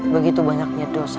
begitu banyaknya dosa